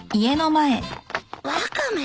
ワカメ！